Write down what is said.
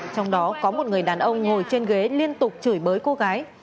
trong đó có một người đàn ông ngồi trên ghế liên tục chửi bới cô gái